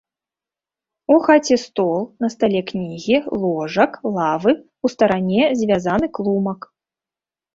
У хаце стол, на стале кнігі, ложак, лавы, у старане звязаны клумак.